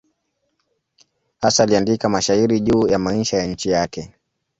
Hasa aliandika mashairi juu ya maisha ya nchi yake.